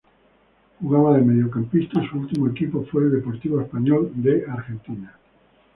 Jugaba de Mediocampista y su ultimo equipo fue el Deportivo Español de Argentina.